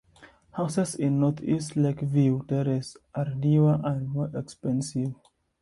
Houses in northeast Lake View Terrace are newer and more expensive.